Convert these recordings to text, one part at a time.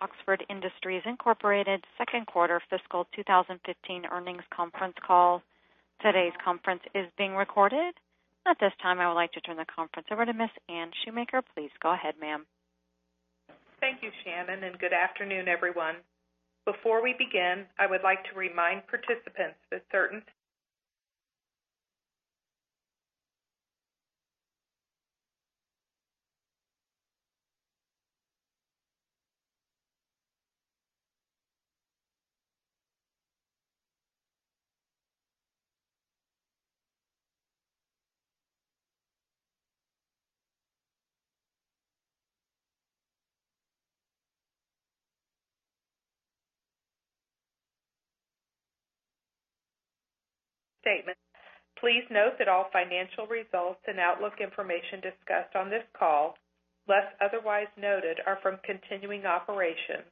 Oxford Industries Incorporated second quarter fiscal 2015 earnings conference call. Today's conference is being recorded. At this time, I would like to turn the conference over to Ms. Anne Shoemaker. Please go ahead, ma'am. Thank you, Shannon, and good afternoon, everyone. Please note that all financial results and outlook information discussed on this call, unless otherwise noted, are from continuing operations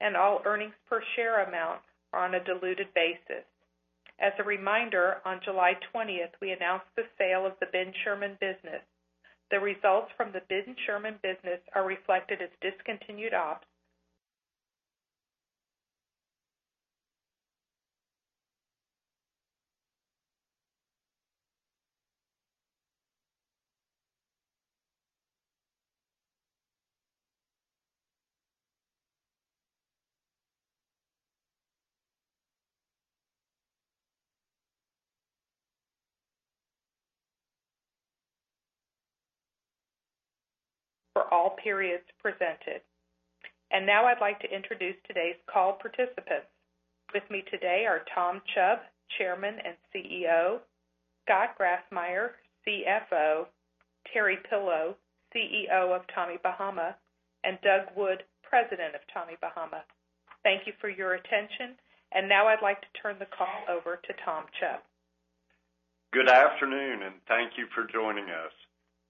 and all earnings per share amounts are on a diluted basis. As a reminder, on July 20, we announced the sale of the Ben Sherman business. The results from the Ben Sherman business are reflected as discontinued ops for all periods presented. Now I'd like to introduce today's call participants. With me today are Tom Chubb, Chairman and CEO, Scott Grassmyer, CFO, Terry Pillow, CEO of Tommy Bahama, and Doug Wood, President of Tommy Bahama. Thank you for your attention. Now I'd like to turn the call over to Tom Chubb. Good afternoon, thank you for joining us.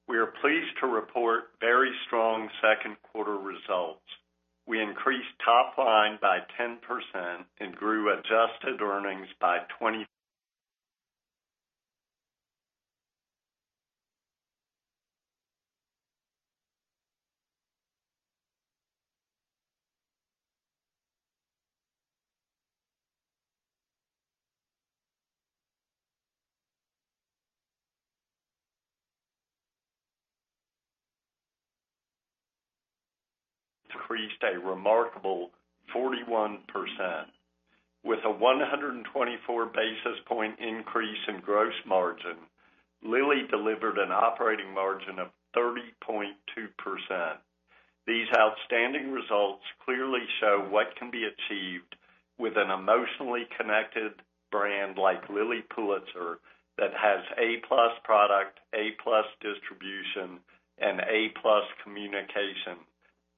We are pleased to report very strong second quarter results. We increased top line by 10% and grew adjusted earnings by 20% increased a remarkable 41%. With a 124 basis point increase in gross margin, Lilly delivered an operating margin of 30.2%. These outstanding results clearly show what can be achieved with an emotionally connected brand like Lilly Pulitzer that has A+ product, A+ distribution, and A+ communication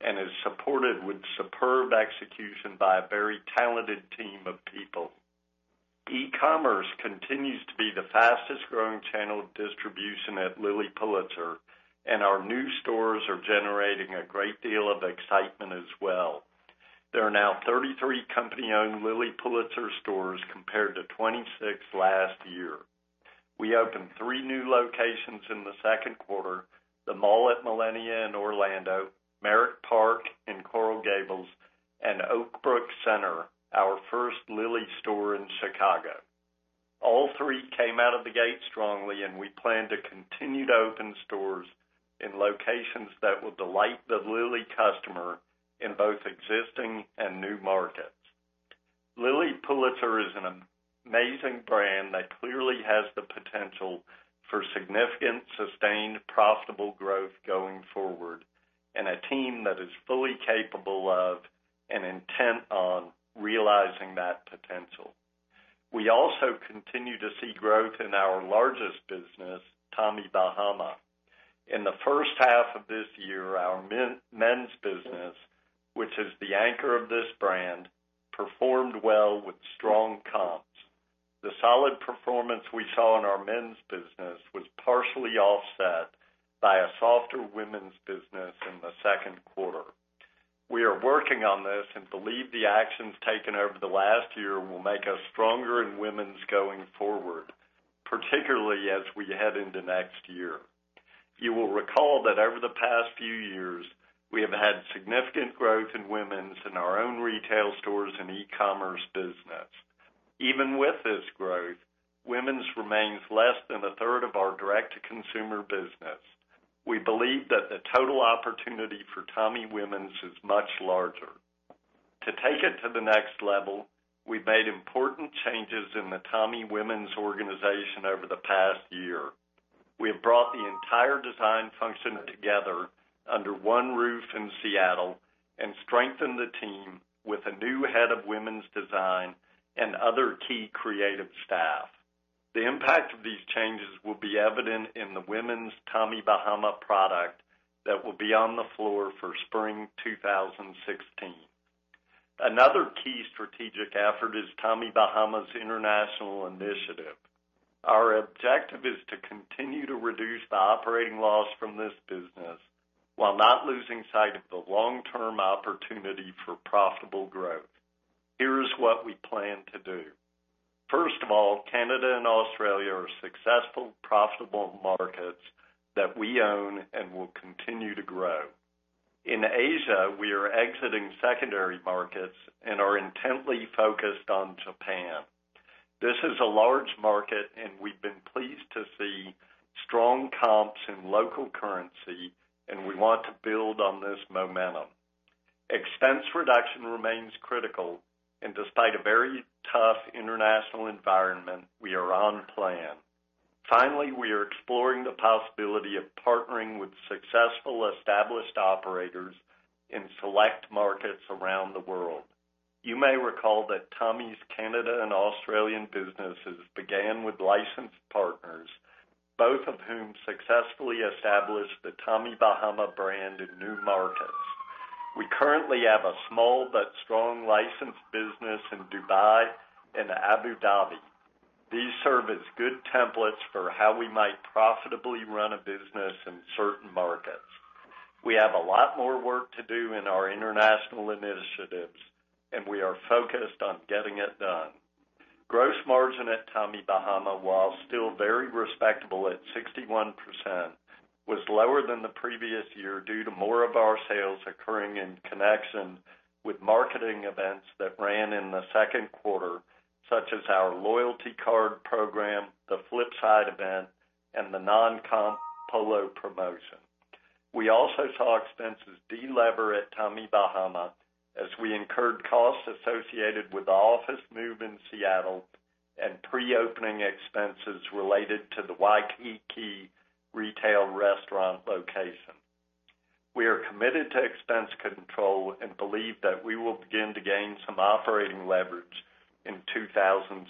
and is supported with superb execution by a very talented team of people. E-commerce continues to be the fastest growing channel of distribution at Lilly Pulitzer, and our new stores are generating a great deal of excitement as well. There are now 33 company-owned Lilly Pulitzer stores compared to 26 last year. We opened three new locations in the second quarter, the Mall at Millenia in Orlando, Merrick Park in Coral Gables, and Oak Brook Center, our first Lilly store in Chicago. All three came out of the gate strongly. We plan to continue to open stores in locations that will delight the Lilly customer in both existing and new markets. Lilly Pulitzer is an amazing brand that clearly has the potential for significant, sustained, profitable growth going forward, and a team that is fully capable of and intent on realizing that potential. We also continue to see growth in our largest business, Tommy Bahama. In the first half of this year, our men's business, which is the anchor of this brand, performed well with strong comps. The solid performance we saw in our men's business was partially offset by a softer women's business in the second quarter. We are working on this and believe the actions taken over the last year will make us stronger in women's going forward, particularly as we head into next year. You will recall that over the past few years, we have had significant growth in women's in our own retail stores and e-commerce business. Even with this growth, women's remains less than a third of our direct-to-consumer business. We believe that the total opportunity for Tommy Women's is much larger. To take it to the next level, we've made important changes in the Tommy Women's organization over the past year. We have brought the entire design function together under one roof in Seattle and strengthened the team with a new head of women's design and other key creative staff. The impact of these changes will be evident in the women's Tommy Bahama product that will be on the floor for spring 2016. Another key strategic effort is Tommy Bahama's international initiative. Our objective is to continue to reduce the operating loss from this business while not losing sight of the long-term opportunity for profitable growth. Here's what we plan to do. First of all, Canada and Australia are successful, profitable markets that we own and will continue to grow. In Asia, we are exiting secondary markets and are intently focused on Japan. This is a large market, and we've been pleased to see strong comps in local currency, and we want to build on this momentum. Expense reduction remains critical, and despite a very tough international environment, we are on plan. Finally, we are exploring the possibility of partnering with successful, established operators in select markets around the world. You may recall that Tommy's Canada and Australian businesses began with licensed partners, both of whom successfully established the Tommy Bahama brand in new markets. We currently have a small but strong licensed business in Dubai and Abu Dhabi. These serve as good templates for how we might profitably run a business in certain markets. We have a lot more work to do in our international initiatives, and we are focused on getting it done. Gross margin at Tommy Bahama, while still very respectable at 61%, was lower than the previous year due to more of our sales occurring in connection with marketing events that ran in the second quarter, such as our loyalty card program, the Flipside event, and the non-comp Polo promotion. We also saw expenses de-lever at Tommy Bahama as we incurred costs associated with the office move in Seattle and pre-opening expenses related to the Waikiki retail restaurant location. We are committed to expense control and believe that we will begin to gain some operating leverage in 2016.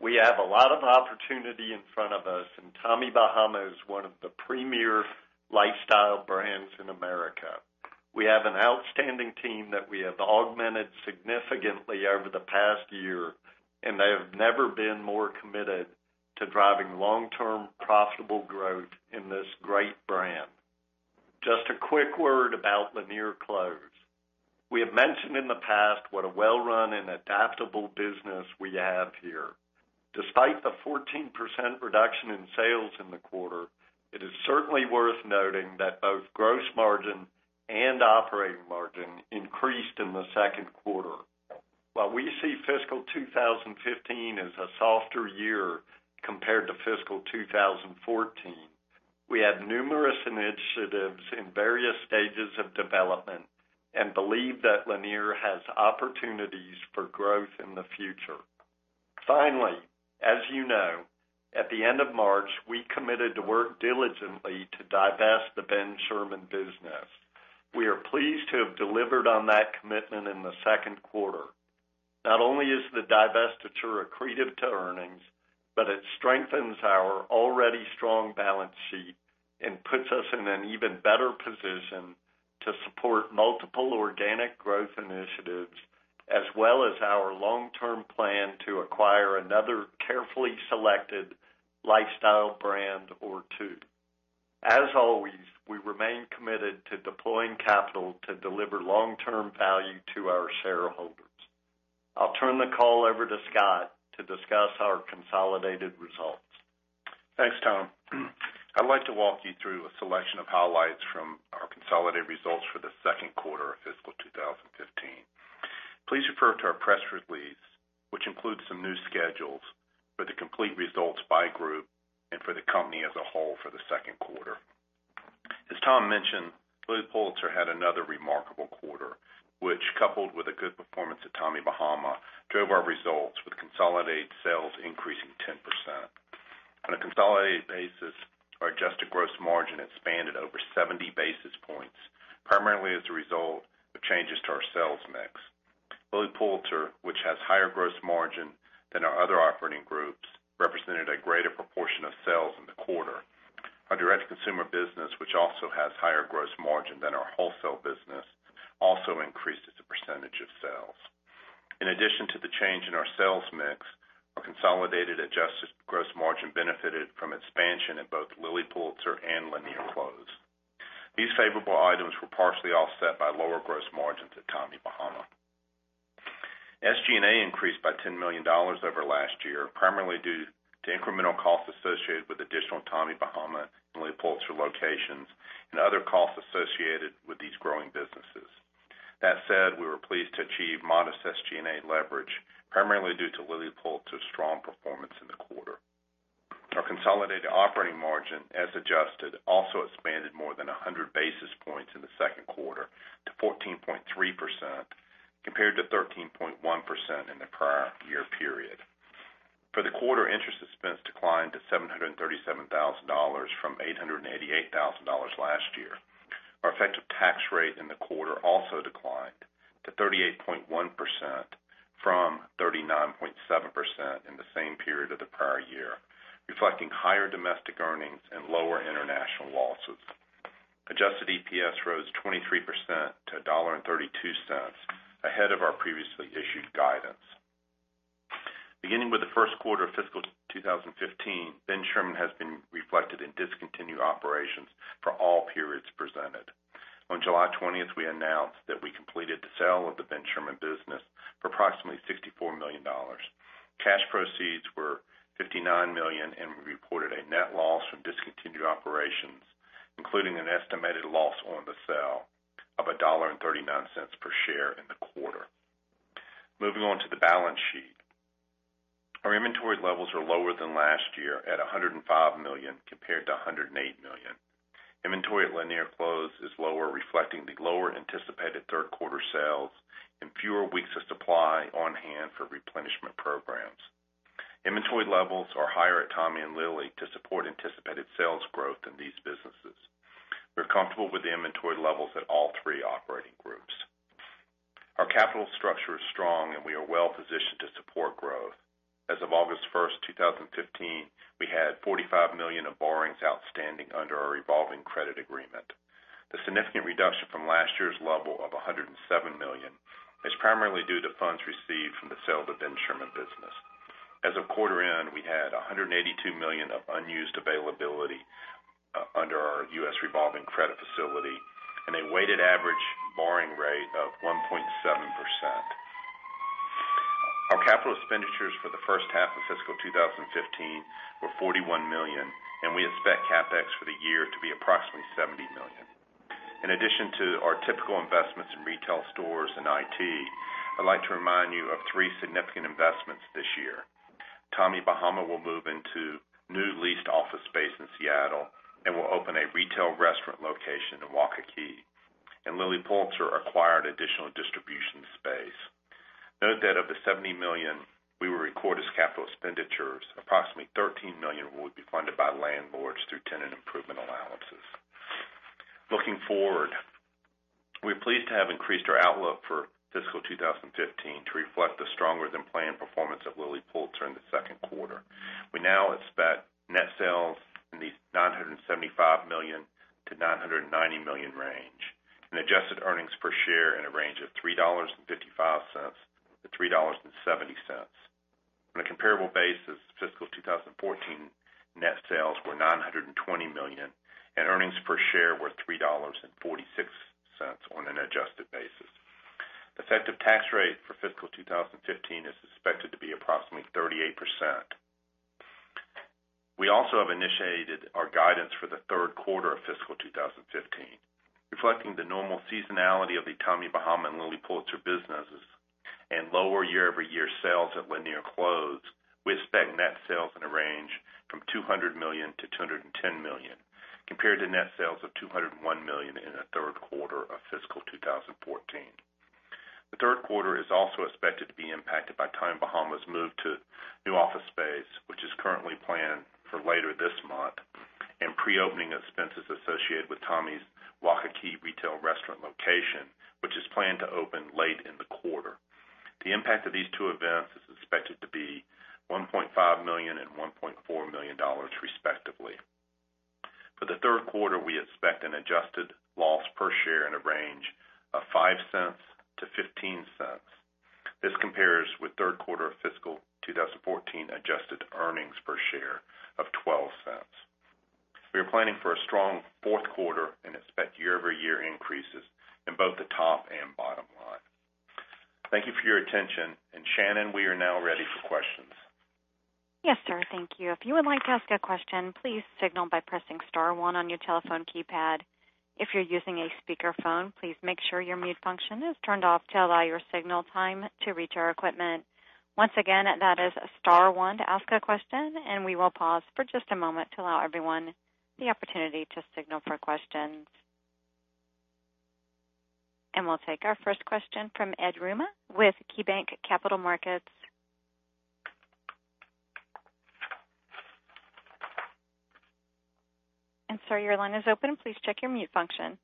We have a lot of opportunity in front of us, and Tommy Bahama is one of the premier lifestyle brands in America. We have an outstanding team that we have augmented significantly over the past year, and they have never been more committed to driving long-term profitable growth in this great brand. Just a quick word about Lanier Clothes. We have mentioned in the past what a well-run and adaptable business we have here. Despite the 14% reduction in sales in the quarter, it is certainly worth noting that both gross margin and operating margin increased in the second quarter. While we see fiscal 2015 as a softer year compared to fiscal 2014, we have numerous initiatives in various stages of development and believe that Lanier has opportunities for growth in the future. Finally, as you know, at the end of March, we committed to work diligently to divest the Ben Sherman business. We are pleased to have delivered on that commitment in the second quarter. Not only is the divestiture accretive to earnings, but it strengthens our already strong balance sheet and puts us in an even better position to support multiple organic growth initiatives as well as our long-term plan to acquire another carefully selected lifestyle brand or two. As always, we remain committed to deploying capital to deliver long-term value to our shareholders. I'll turn the call over to Scott to discuss our consolidated results. Thanks, Tom. I'd like to walk you through a selection of highlights from our consolidated results for the second quarter of fiscal 2015. Please refer to our press release, which includes some new schedules with the complete results by group and for the company as a whole for the second quarter. As Tom mentioned, Lilly Pulitzer had another remarkable quarter, which, coupled with a good performance at Tommy Bahama, drove our results with consolidated sales increasing 10%. On a consolidated basis, our adjusted gross margin expanded over 70 basis points, primarily as a result of changes to our sales mix. Lilly Pulitzer, which has higher gross margin than our other operating groups, represented a greater proportion of sales in the quarter. Our direct-to-consumer business, which also has higher gross margin than our wholesale business, also increased as a percentage of sales. In addition to the change in our sales mix, our consolidated adjusted gross margin benefited from expansion in both Lilly Pulitzer and Lanier Clothes. These favorable items were partially offset by lower gross margins at Tommy Bahama. SG&A increased by $10 million over last year, primarily due to incremental costs associated with additional Tommy Bahama and Lilly Pulitzer locations and other costs associated with these growing businesses. That said, we were pleased to achieve modest SG&A leverage, primarily due to Lilly Pulitzer's strong performance in the quarter. Our consolidated operating margin, as adjusted, also expanded more than 100 basis points in the second quarter to 14.3%, compared to 13.1% in the prior year period. For the quarter, interest expense declined to $737,000 from $888,000 last year. Our effective tax rate in the quarter also declined to 38.1% from 39.7% in the same period of the prior year, reflecting higher domestic earnings and lower international losses. Adjusted EPS rose 23% to $1.32, ahead of our previously issued guidance. Beginning with the first quarter of fiscal 2015, Ben Sherman has been reflected in discontinued operations for all periods presented. On July 20th, we announced that we completed the sale of the Ben Sherman business for approximately $64 million. Cash proceeds were $59 million, and we reported a net loss from discontinued operations, including an estimated loss on the sale of $1.39 per share in the quarter. Moving on to the balance sheet. Our inventory levels are lower than last year at $105 million compared to $108 million. Inventory at Lanier Clothes is lower, reflecting the lower anticipated third quarter sales and fewer weeks of supply on hand for replenishment programs. Inventory levels are higher at Tommy and Lilly to support anticipated sales growth in these businesses. We're comfortable with the inventory levels at all three operating groups. Our capital structure is strong, and we are well-positioned to support growth. As of August 1st, 2015, we had $45 million of borrowings outstanding under our revolving credit agreement. The significant reduction from last year's level of $107 million is primarily due to funds received from the sale of the Ben Sherman business. As of quarter end, we had $182 million of unused availability under our U.S. revolving credit facility and a weighted average borrowing rate of 1.7%. Our capital expenditures for the first half of fiscal 2015 were $41 million, and we expect CapEx for the year to be approximately $70 million. In addition to our typical investments in retail stores and IT, I'd like to remind you of three significant investments this year. Tommy Bahama will move into new leased office space in Seattle and will open a retail restaurant location in Waikiki, and Lilly Pulitzer acquired additional distribution space. Note that of the $70 million we will record as capital expenditures, approximately $13 million will be funded by landlords through tenant improvement allowances. Looking forward, we're pleased to have increased our outlook for fiscal 2015 to reflect the stronger than planned performance of Lilly Pulitzer in the second quarter. We now expect net sales in the $975 million-$990 million range and adjusted earnings per share in a range of $3.55-$3.70. On a comparable basis, fiscal 2014 net sales were $920 million and earnings per share were $3.46 on an adjusted basis. Effective tax rate for fiscal 2015 is expected to be approximately 38%. We also have initiated our guidance for the third quarter of fiscal 2015, reflecting the normal seasonality of the Tommy Bahama and Lilly Pulitzer businesses and lower year-over-year sales at Lanier Clothes. We expect net sales in a range from $200 million-$210 million, compared to net sales of $201 million in the third quarter of fiscal 2014. The third quarter is also expected to be impacted by Tommy Bahama's move to new office space, which is currently planned for later this month, and pre-opening expenses associated with Tommy's Waikiki retail restaurant location, which is planned to open late in the quarter. The impact of these two events is expected to be $1.5 million and $1.4 million, respectively. For the third quarter, we expect an adjusted loss per share in a range of $0.05-$0.15. This compares with third quarter fiscal 2014 adjusted earnings per share of $0.12. We are planning for a strong fourth quarter and expect year-over-year increases in both the top and bottom line. Thank you for your attention, and Shannon, we are now ready for questions. Yes, sir. Thank you. If you would like to ask a question, please signal by pressing star one on your telephone keypad. If you're using a speakerphone, please make sure your mute function is turned off to allow your signal time to reach our equipment. Once again, that is star one to ask a question. We will pause for just a moment to allow everyone the opportunity to signal for questions. We'll take our first question from Ed Yruma with KeyBanc Capital Markets. Sir, your line is open. Please check your mute function.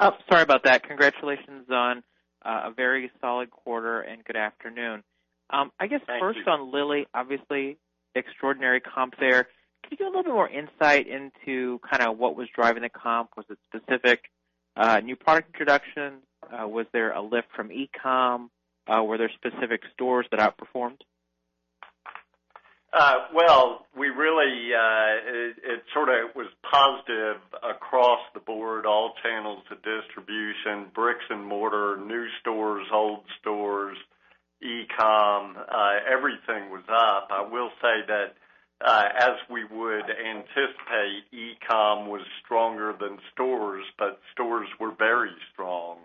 Sorry about that. Congratulations on a very solid quarter. Good afternoon. Thank you. I guess first on Lilly, obviously extraordinary comp there. Can you give a little bit more insight into what was driving the comp? Was it specific new product introduction? Was there a lift from e-com? Were there specific stores that outperformed? Well, it sort of was positive across the board, all channels to distribution, bricks and mortar, new stores, old stores, e-com, everything was up. I will say that, as we would anticipate, e-com was stronger than stores, but stores were very strong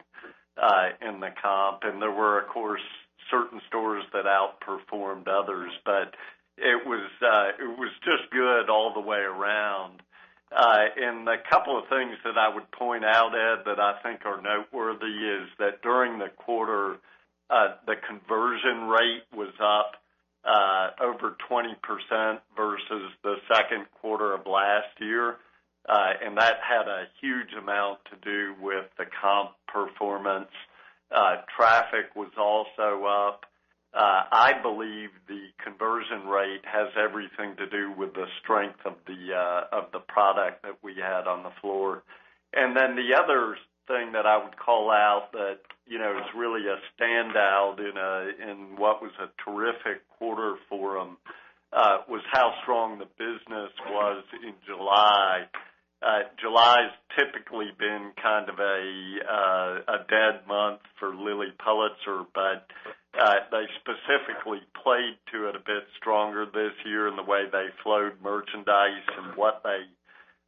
in the comp. There were, of course, certain stores that outperformed others. It was just good all the way around. A couple of things that I would point out, Ed, that I think are noteworthy is that during the quarter, the conversion rate was up over 20% versus the second quarter of last year. That had a huge amount to do with the comp performance. Traffic was also up. I believe the conversion rate has everything to do with the strength of the product that we had on the floor The other thing that I would call out that is really a standout in what was a terrific quarter for them, was how strong the business was in July. July's typically been kind of a dead month for Lilly Pulitzer, they specifically played to it a bit stronger this year in the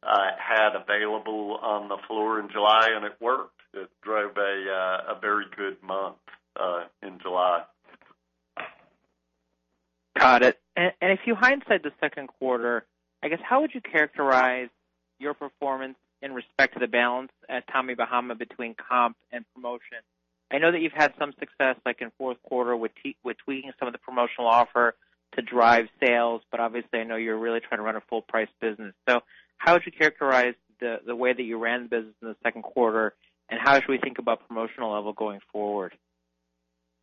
way they flowed merchandise and what they had available on the floor in July, it worked. It drove a very good month in July. Got it. If you hindsight the second quarter, I guess, how would you characterize your performance in respect to the balance at Tommy Bahama between comp and promotion? I know that you've had some success, like in fourth quarter with tweaking some of the promotional offer to drive sales, obviously I know you're really trying to run a full price business. How would you characterize the way that you ran the business in the second quarter, and how should we think about promotional level going forward?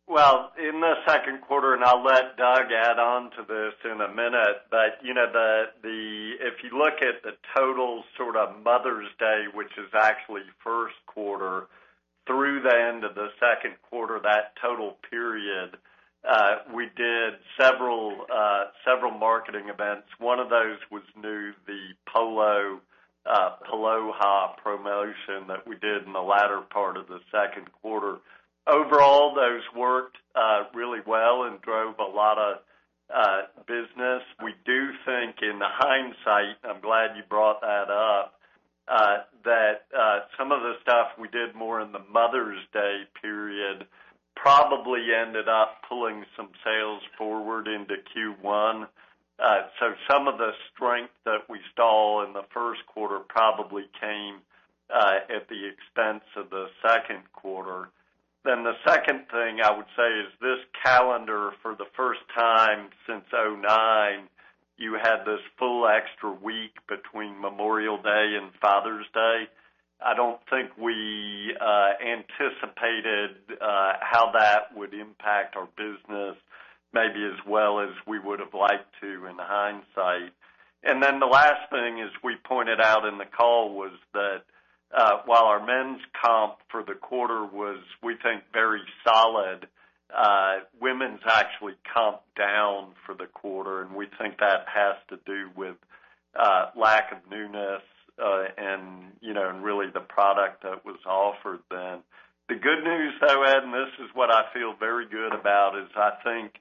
Well, in the second quarter, and I'll let Doug add on to this in a minute, but if you look at the total sort of Mother's Day, which is actually first quarter through the end of the second quarter, that total period, we did several marketing events. One of those was new, the Polo Aloha promotion that we did in the latter part of the second quarter. Overall, those worked really well and drove a lot of business. We do think in hindsight, I'm glad you brought that up, that some of the stuff we did more in the Mother's Day period probably ended up pulling some sales forward into Q1. Some of the strength that we saw in the first quarter probably came at the expense of the second quarter. The second thing I would say is this calendar, for the first time since 2009, you had this full extra week between Memorial Day and Father's Day. I don't think we anticipated how that would impact our business maybe as well as we would've liked to in hindsight. The last thing is, we pointed out in the call was that, while our men's comp for the quarter was, we think, very solid, women's actually comp down for the quarter, and we think that has to do with lack of newness and really the product that was offered then. The good news, though, Ed, and this is what I feel very good about, is I think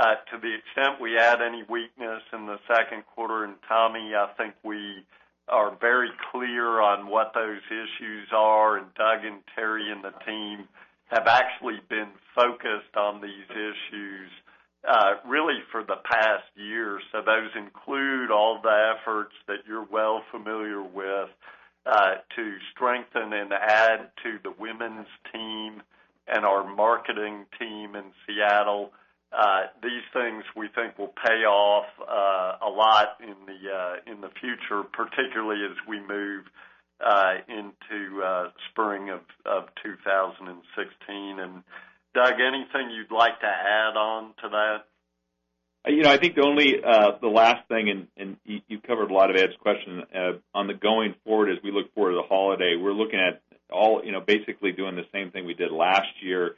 to the extent we had any weakness in the second quarter in Tommy, I think we are very clear on what those issues are, and Doug and Terry and the team have actually been focused on these issues, really for the past year. Those include all the efforts that you're well familiar with, to strengthen and add to the women's team and our marketing team in Seattle. These things we think will pay off a lot in the future, particularly as we move into spring of 2016. Doug, anything you'd like to add on to that? I think the last thing, and you've covered a lot of Ed's question. On the going forward, as we look forward to the holiday, we're looking at basically doing the same thing we did last year.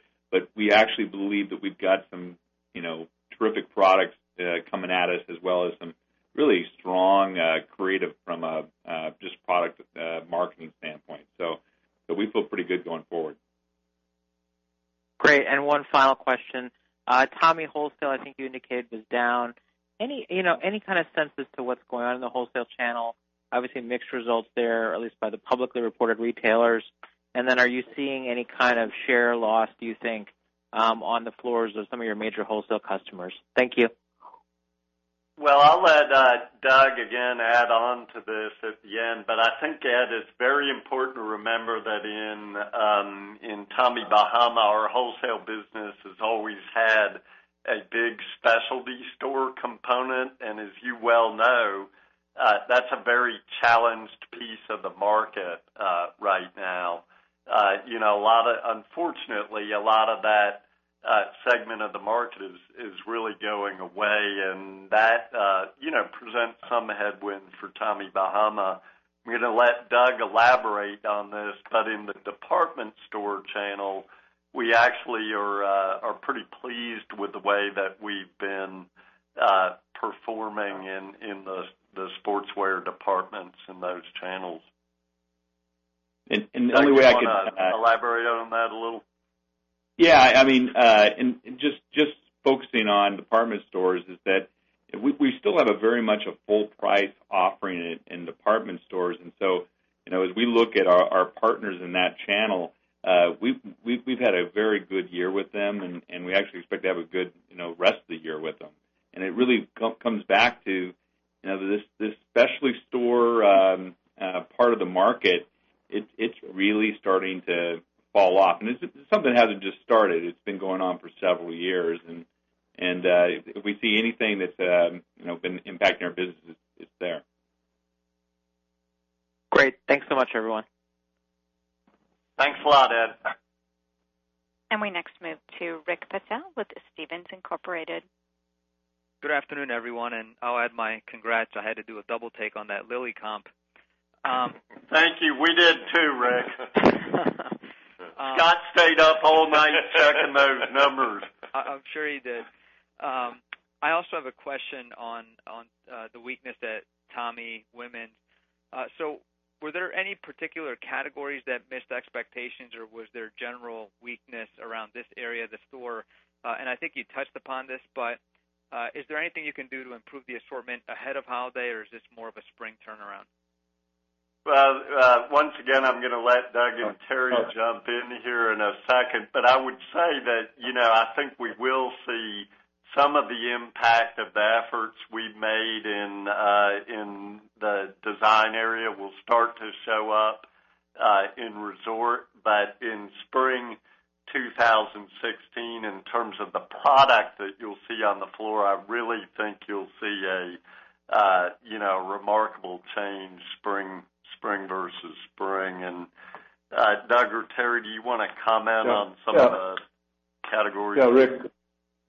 We actually believe that we've got some terrific products coming at us, as well as some really strong creative from a just product marketing standpoint. We feel pretty good going forward. Great. One final question. Tommy wholesale, I think you indicated, was down. Any kind of sense as to what's going on in the wholesale channel? Obviously mixed results there, at least by the publicly reported retailers. Are you seeing any kind of share loss, do you think, on the floors of some of your major wholesale customers? Thank you. Well, I'll let Doug again add on to this at the end. I think, Ed, it's very important to remember that in Tommy Bahama, our wholesale business has always had a big specialty store component. As you well know, that's a very challenged piece of the market right now. Unfortunately, a lot of that segment of the market is really going away, That presents some headwinds for Tommy Bahama. I'm going to let Doug elaborate on this, In the department store channel, we actually are pretty pleased with the way that we've been performing in the sportswear departments and those channels. The only way I could- Doug, you want to elaborate on that a little? Yeah. Just focusing on department stores is that we still have a very much a full price offering in department stores. As we look at our partners in that channel, we've had a very good year with them, and we actually expect to have a good rest of the year with them. It really comes back to this specialty store part of the market. It's really starting to fall off, and it's something that hasn't just started. It's been going on for several years. If we see anything that's been impacting our business, it's there. Great. Thanks so much, everyone. Thanks a lot, Ed. We next move to Rick Patel with Stephens Inc. Good afternoon, everyone, and I'll add my congrats. I had to do a double take on that Lilly comp. Thank you. We did too, Rick. Scott stayed up all night checking those numbers. I'm sure he did. I also have a question on the weakness at Tommy women. Were there any particular categories that missed expectations, or was there general weakness around this area of the store? I think you touched upon this, but is there anything you can do to improve the assortment ahead of holiday, or is this more of a spring turnaround? Once again, I'm going to let Doug and Terry jump in here in a second, but I would say that, I think we will see some of the impact of the efforts we've made in the design area will start to show up in resort. In spring 2016, in terms of the product that you'll see on the floor, I really think you'll see a remarkable change, spring versus spring. Doug or Terry, do you want to comment on some of the categories?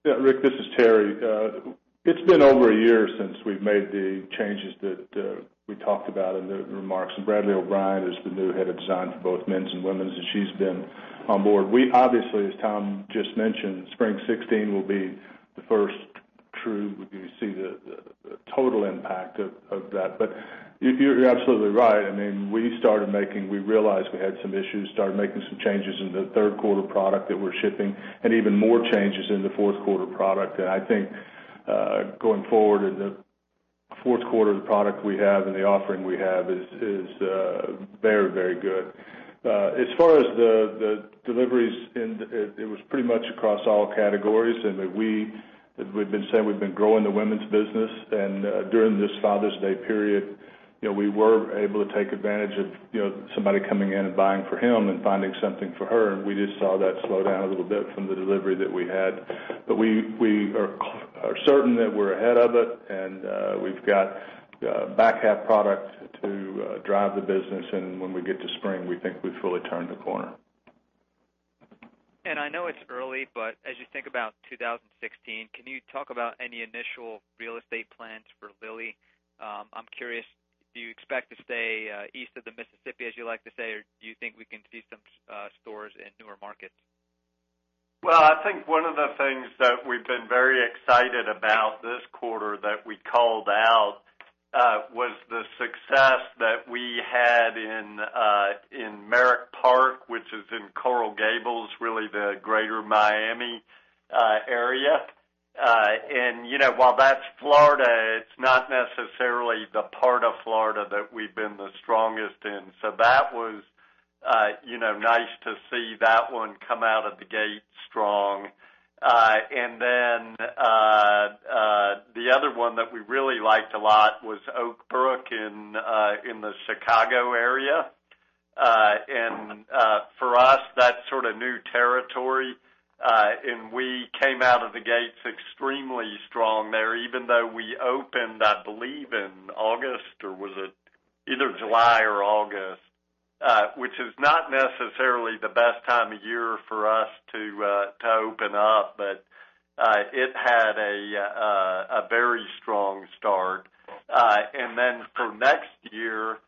Rick, this is Terry. It's been over a year since we've made the changes that we talked about in the remarks. Bradley O'Brien is the new head of design for both men's and women's, and she's been on board. We obviously, as Tom just mentioned, spring 2016 will be the first true, we see the total impact of that. You're absolutely right. We realized we had some issues, started making some changes in the third quarter product that we're shipping, and even more changes in the fourth quarter product. I think, going forward in the fourth quarter, the product we have and the offering we have is very good. As far as the deliveries, it was pretty much across all categories. As we've been saying, we've been growing the women's business. During this Father's Day period, we were able to take advantage of somebody coming in and buying for him and finding something for her. We just saw that slow down a little bit from the delivery that we had. We are certain that we're ahead of it, and we've got back-half product to drive the business. When we get to spring, we think we've fully turned the corner. I know it's early, but as you think about 2016, can you talk about any initial real estate plans for Lilly? I'm curious, do you expect to stay east of the Mississippi, as you like to say, or do you think we can see some stores in newer markets? I think one of the things that we've been very excited about this quarter that we called out, was the success that we had in Merrick Park, which is in Coral Gables, really the greater Miami area. While that's Florida, it's not necessarily the part of Florida that we've been the strongest in. That was nice to see that one come out of the gate strong. The other one that we really liked a lot was Oak Brook in the Chicago area. For us, that's sort of new territory. We came out of the gates extremely strong there, even though we opened, I believe, in August, or either July or August, which is not necessarily the best time of year for us to open up. It had a very strong start. For next year,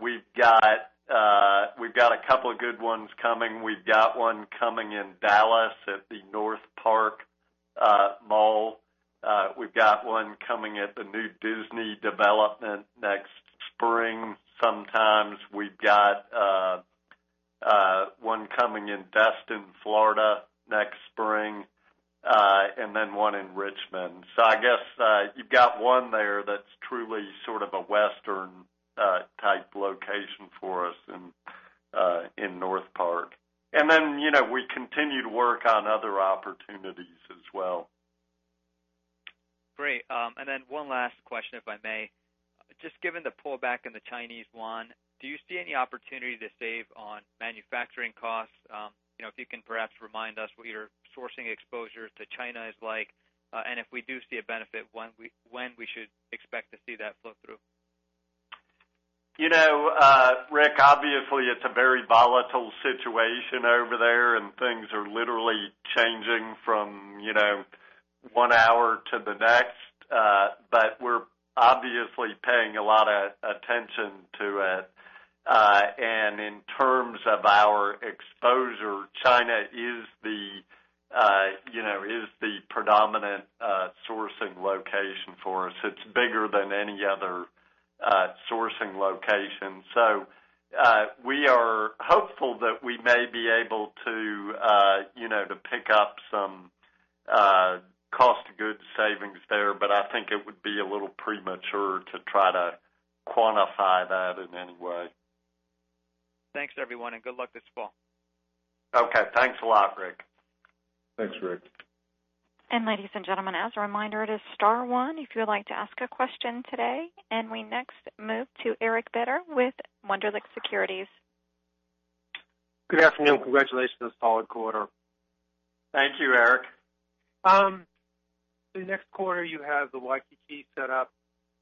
we've got a couple of good ones coming. We've got one coming in Dallas at the NorthPark Center. We've got one coming at the new Disney development next spring, sometimes. We've got one coming in Destin, Florida, next spring, one in Richmond. I guess, you've got one there that's truly sort of a western-type location for us in NorthPark. We continue to work on other opportunities as well. Great. One last question, if I may. Just given the pullback in the Chinese yuan, do you see any opportunity to save on manufacturing costs? If you can perhaps remind us what your sourcing exposure to China is like, and if we do see a benefit, when we should expect to see that flow through. Rick, obviously, it's a very volatile situation over there, and things are literally changing from one hour to the next. We're obviously paying a lot of attention to it. In terms of our exposure, China is the predominant sourcing location for us. It's bigger than any other sourcing location. We are hopeful that we may be able to pick up some cost of goods savings there, but I think it would be a little premature to try to quantify that in any way. Thanks, everyone, good luck this fall. Okay. Thanks a lot, Rick. Thanks, Rick. Ladies and gentlemen, as a reminder, it is star one if you would like to ask a question today. We next move to Eric Beder with Wunderlich Securities. Good afternoon. Congratulations on a solid quarter. Thank you, Eric. The next quarter you have the Waikiki set up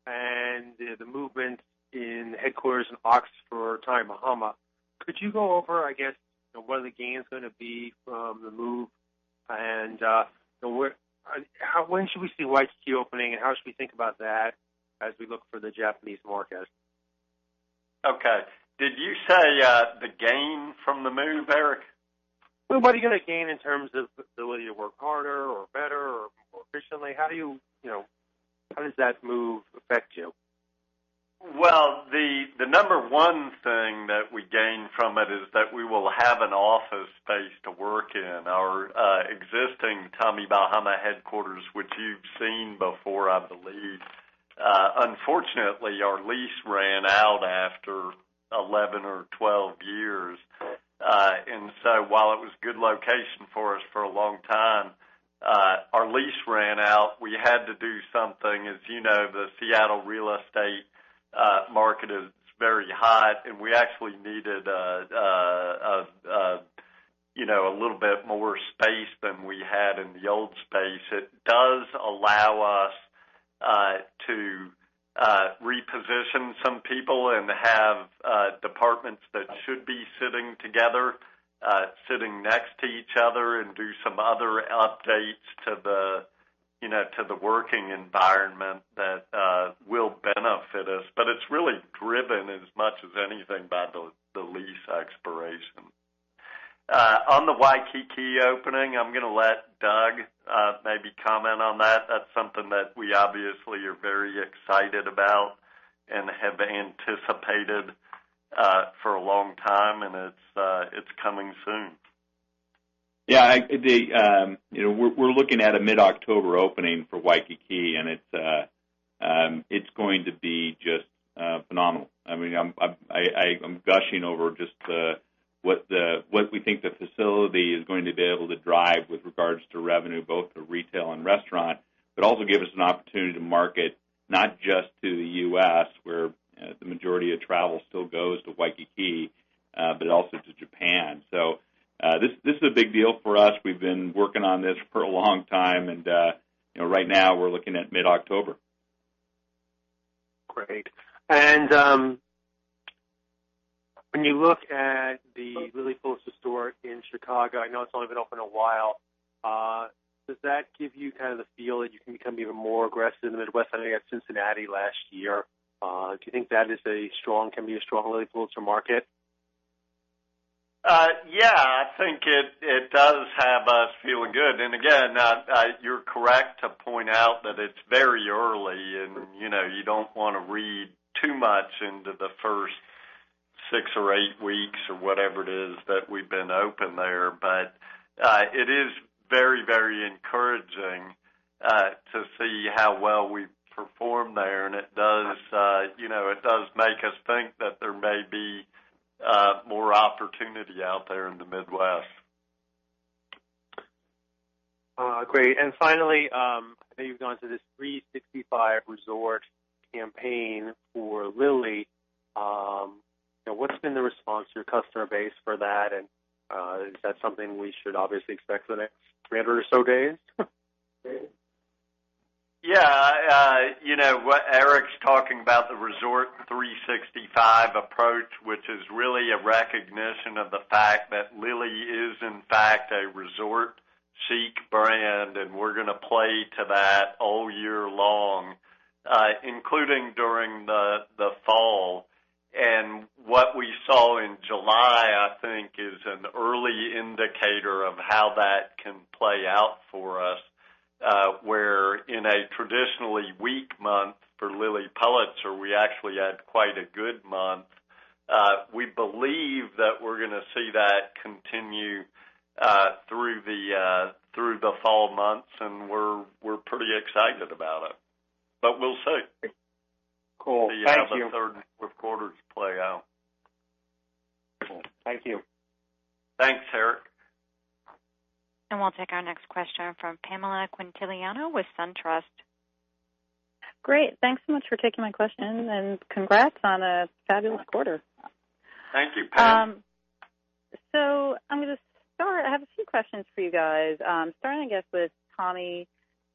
and the movement in headquarters in Oxford for Tommy Bahama. Could you go over, I guess, what the gain is going to be from the move and when should we see Waikiki opening, and how should we think about that as we look for the Japanese market? Okay. Did you say, the gain from the move, Eric? What are you going to gain in terms of ability to work harder or better or more efficiently? How does that move affect you? Well, the number one thing that we gain from it is that we will have an office space to work in. Our existing Tommy Bahama headquarters, which you've seen before I believe, unfortunately, our lease ran out after 11 or 12 years. While it was a good location for us for a long time, our lease ran out. We had to do something. As you know, the Seattle real estate market is very hot, and we actually needed a little bit more space than we had in the old space. It does allow us to reposition some people and have departments that should be sitting together, sitting next to each other and do some other updates to the working environment that will benefit us. It's really driven as much as anything by the lease expiration. On the Waikiki opening, I'm going to let Doug maybe comment on that. That's something that we obviously are very excited about and have anticipated for a long time, and it's coming soon. Yeah. We're looking at a mid-October opening for Waikiki, and it's going to be just phenomenal. I'm gushing over just what we think the facility is going to be able to drive with regards to revenue, both the retail and restaurant, but also give us an opportunity to market not just to the U.S., where the majority of travel still goes to Waikiki, but also to Japan. This is a big deal for us. We've been working on this for a long time, and right now we're looking at mid-October. Great. When you look at the Lilly Pulitzer store in Chicago, I know it's only been open a while, does that give you the feel that you can become even more aggressive in the Midwest? I know you had Cincinnati last year. Do you think that can be a strong Lilly Pulitzer market? Yeah, I think it does have us feeling good. Again, you're correct to point out that it's very early, you don't want to read too much into the first six or eight weeks or whatever it is that we've been open there. It is very encouraging to see how well we perform there, it does make us think that there may be more opportunity out there in the Midwest. Great. Finally, I know you've gone through this Resort 365 campaign for Lilly. What's been the response to your customer base for that, is that something we should obviously expect for the next 300 or so days? Yeah. What Eric's talking about, the Resort 365 approach, which is really a recognition of the fact that Lilly is, in fact, a resort-chic brand, we're going to play to that all year long including during the fall. What we saw in July, I think, is an early indicator of how that can play out for us where in a traditionally weak month for Lilly Pulitzer, we actually had quite a good month. We believe that we're going to see that continue through the fall months, we're pretty excited about it. We'll see. Cool. Thank you. See how the third quarters play out. Thank you. Thanks, Eric. We'll take our next question from Pamela Quintiliano with SunTrust. Great. Thanks so much for taking my question, congrats on a fabulous quarter. Thank you, Pam. I'm going to start. I have a few questions for you guys. Starting, I guess, with Tommy,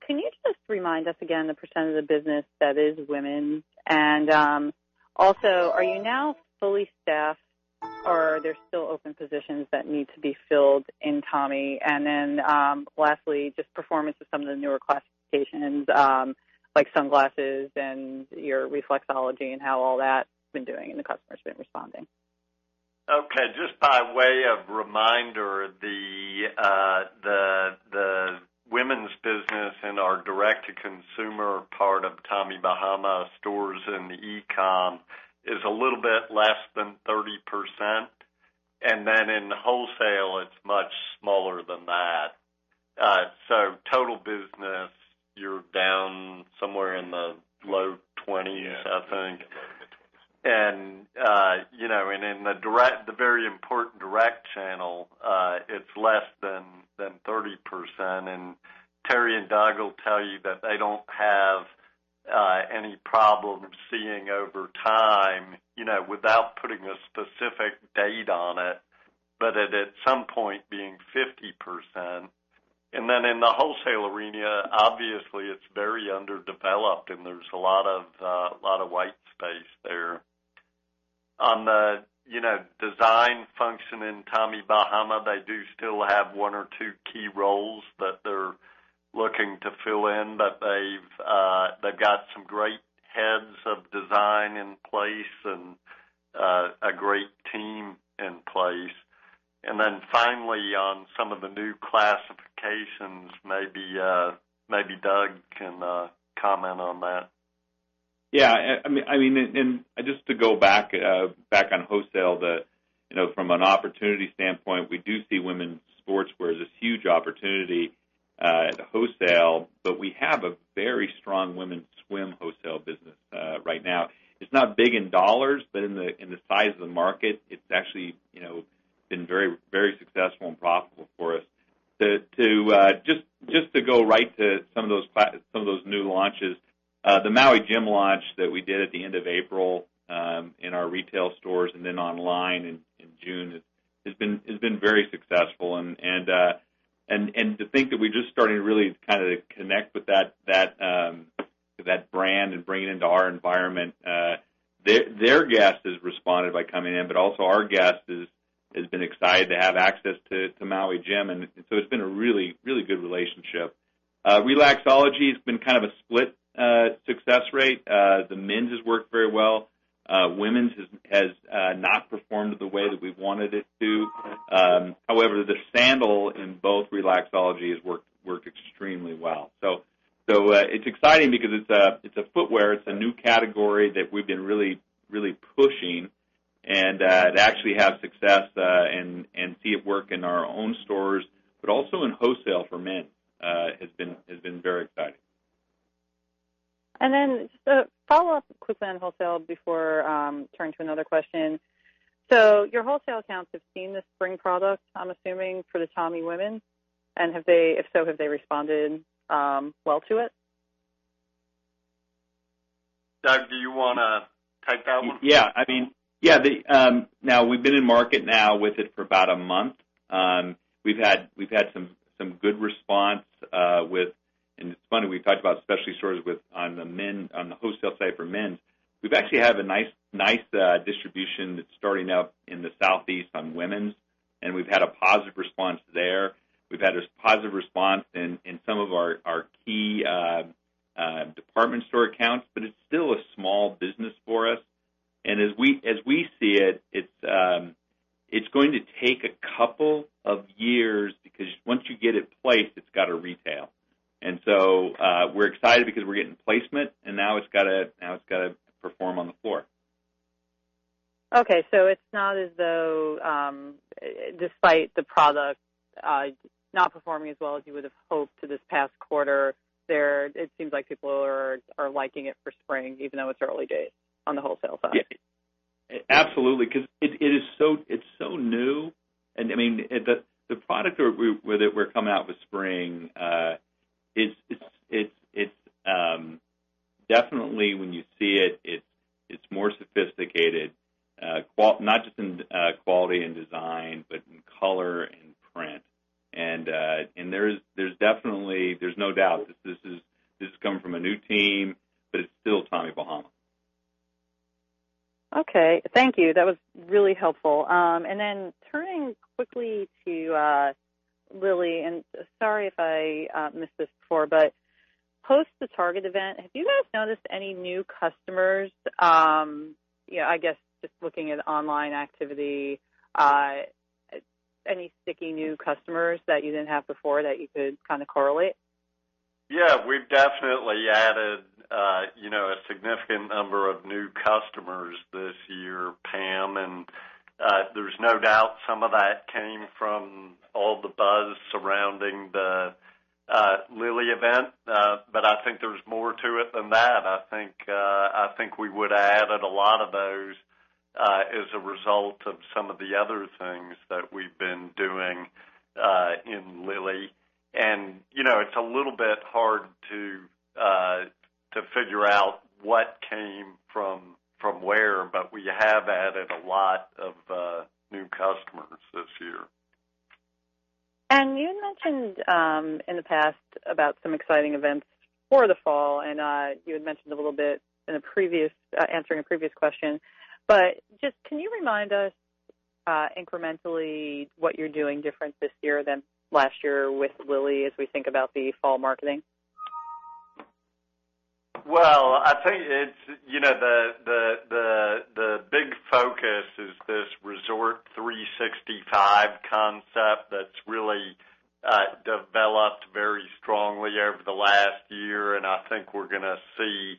can you just remind us again the % of the business that is women? Also, are you now fully staffed or are there still open positions that need to be filled in Tommy? Lastly, just performance of some of the newer classifications, like sunglasses and your Relaxology and how all that's been doing and the customers been responding. Okay. Just by way of reminder, the women's business and our direct-to-consumer part of Tommy Bahama stores and the e-com is a little bit less than 30%. Then in the wholesale, it's much smaller than that. Total business, you're down somewhere in the low 20s, I think. Yeah. Low 20s. In the very important direct channel, it's less than 30%. Terry and Doug will tell you that they don't have any problem seeing over time, without putting a specific date on it, but at some point being 50%. Then in the wholesale arena, obviously it's very underdeveloped and there's a lot of white space there. On the design function in Tommy Bahama, they do still have one or two key roles that they're looking to fill in. They've got some great heads of design in place and a great team in place. Then finally, on some of the new classifications, maybe Doug can comment on that. Yeah. Just to go back on wholesale that from an opportunity standpoint, we do see women's sportswear as this huge opportunity at the wholesale, but we have a very strong women's swim wholesale business right now. It's not big in dollars, but in the size of the market. It's actually been very successful and profitable for us. Just to go right to some of those new launches. The Maui Jim launch that we did at the end of April in our retail stores and then online in June has been very successful. To think that we're just starting to really connect with that brand and bring it into our environment. Their guests has responded by coming in, but also our guests has been excited to have access to Maui Jim, and so it's been a really good relationship. Relaxology has been a split success rate. The men's has worked very well. Women's has not performed the way that we wanted it to. However, the sandal in both Relaxology has worked extremely well. It's exciting because it's a footwear. It's a new category that we've been really pushing and to actually have success and see it work in our own stores, but also in wholesale for men, has been very exciting. Just a follow-up quickly on wholesale before turning to another question. Your wholesale accounts have seen the spring product, I'm assuming, for the Tommy women, and if so, have they responded well to it? Doug, do you want to take that one? Yeah. Now we've been in market now with it for about a month. We've had some good response with It's funny, we've talked about specialty stores on the wholesale side for men's. We've actually have a nice distribution that's starting up in the Southeast on women's, and we've had a positive response there. We've had a positive response in some of our key department store accounts, but it's still a small business for us. As we see it's going to take a couple of years because once you get it placed, it's got to retail. So, we're excited because we're getting placement, and now it's got to perform on the floor. Okay. It's not as though, despite the product not performing as well as you would've hoped for this past quarter, it seems like people are liking it for spring, even though it's early days on the wholesale side. Yeah. Absolutely. It's so new, and I mean, the product that we're coming out with spring, definitely when you see it's more sophisticated. Not just in quality and design, but in color and print. There's no doubt this is coming from a new team, but it's still Tommy Bahama. Okay. Thank you. That was really helpful. Turning quickly to Lilly, and sorry if I missed this before, but post the Target event, have you guys noticed any new customers? I guess just looking at online activity, any sticky new customers that you didn't have before that you could correlate? Yeah. We've definitely added a significant number of new customers this year, Pam, and there's no doubt some of that came from all the buzz surrounding the Lilly event. I think there's more to it than that. I think we would've added a lot of those, as a result of some of the other things that we've been doing in Lilly. It's a little bit hard to figure out what came from where, but we have added a lot of new customers this year. You mentioned in the past about some exciting events for the fall, you had mentioned a little bit answering a previous question, but just can you remind us incrementally what you're doing different this year than last year with Lilly, as we think about the fall marketing? I think the big focus is this Resort 365 concept that's really developed very strongly over the last year, I think we're going to see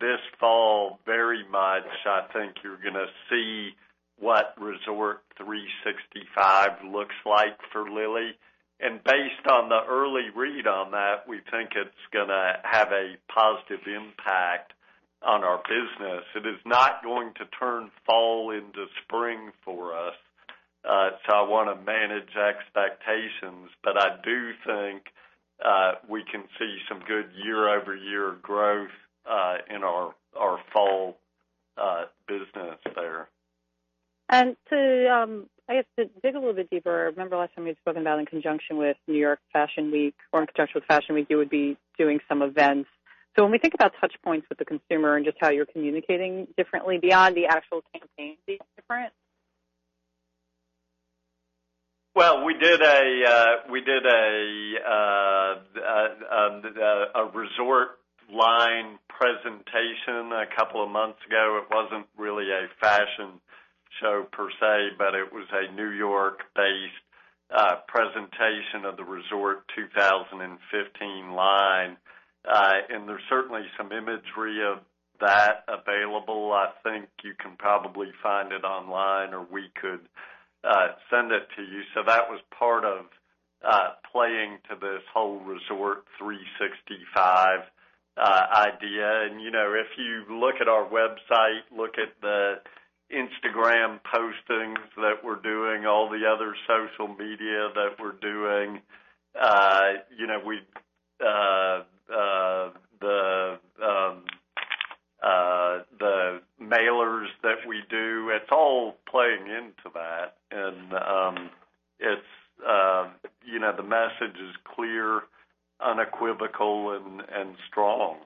this fall very much. I think you're going to see what Resort 365 looks like for Lilly. Based on the early read on that, we think it's going to have a positive impact on our business. It is not going to turn fall into spring for us. I want to manage expectations, but I do think we can see some good year-over-year growth in our fall business there. To, I guess, to dig a little bit deeper, I remember last time we had spoken about in conjunction with New York Fashion Week or in conjunction with Fashion Week, you would be doing some events. When we think about touchpoints with the consumer and just how you're communicating differently beyond the actual campaign, will it be different? We did a resort line presentation a couple of months ago. It wasn't really a fashion show per se, but it was a New York-based presentation of the Resort 2015 line. There's certainly some imagery of that available. I think you can probably find it online, or we could send it to you. That was part of playing to this whole Resort 365 idea. If you look at our website, look at the Instagram postings that we're doing, all the other social media that we're doing, the mailers that we do, it's all playing into that. The message is clear, unequivocal, and strong.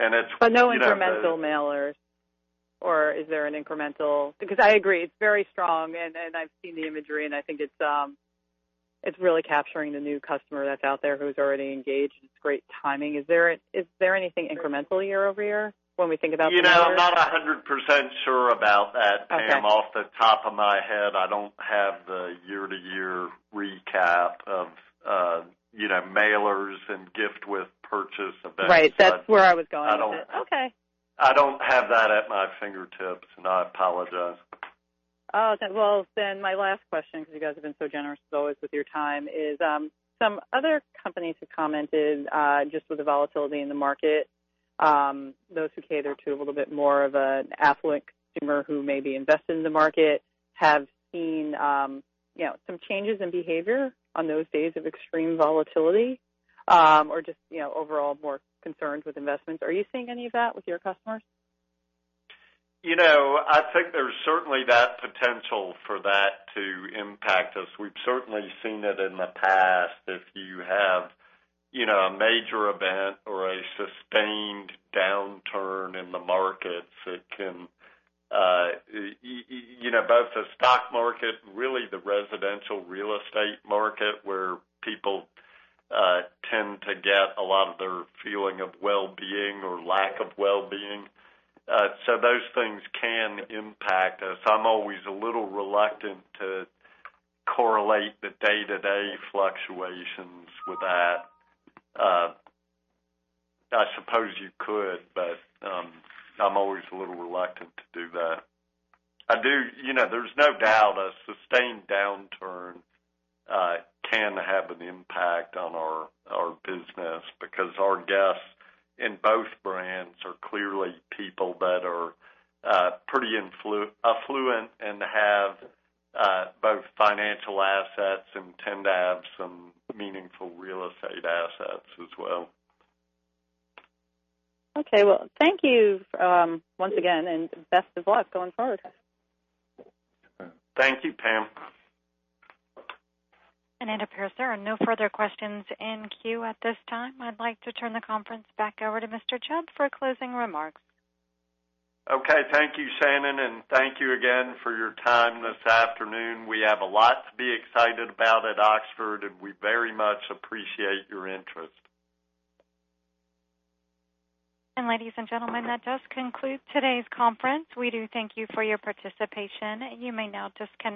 No incremental mailers? Because I agree, it's very strong, and I've seen the imagery, and I think it's really capturing the new customer that's out there who's already engaged, and it's great timing. Is there anything incremental year-over-year when we think about mailers? I'm not 100% sure about that, Pam. Okay. Off the top of my head, I don't have the year-to-year recap of mailers and gift with purchase events. Right. That's where I was going with it. I don't. Okay. I don't have that at my fingertips, and I apologize. Okay. My last question, because you guys have been so generous as always with your time, is some other companies have commented, just with the volatility in the market, those who cater to a little bit more of an affluent consumer who may be invested in the market, have seen some changes in behavior on those days of extreme volatility, or just overall more concerns with investments. Are you seeing any of that with your customers? I think there's certainly that potential for that to impact us. We've certainly seen it in the past. If you have a major event or a sustained downturn in the markets, it can Both the stock market, really the residential real estate market, where people tend to get a lot of their feeling of well-being or lack of well-being. Those things can impact us. I'm always a little reluctant to correlate the day-to-day fluctuations with that. I suppose you could, but I'm always a little reluctant to do that. There's no doubt a sustained downturn can have an impact on our business because our guests in both brands are clearly people that are pretty affluent and have both financial assets and tend to have some meaningful real estate assets as well. Okay. Well, thank you once again, best of luck going forward. Thank you, Pam. It appears there are no further questions in queue at this time. I'd like to turn the conference back over to Mr. Chubb for closing remarks. Okay. Thank you, Shannon, thank you again for your time this afternoon. We have a lot to be excited about at Oxford, we very much appreciate your interest. Ladies and gentlemen, that does conclude today's conference. We do thank you for your participation. You may now disconnect.